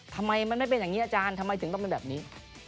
ทำไมมันไม่เป็นอย่างนี้อาจารย์ทำไมถึงต้องเป็นแบบนี้